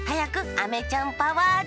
あめちゃんパワーで。